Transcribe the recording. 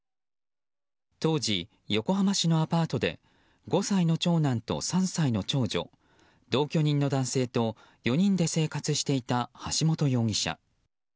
当時、横浜市のアパートで５歳の長男と３歳の長女同居人の男性と４人で生活していた橋本容疑者。